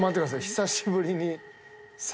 久しぶりに。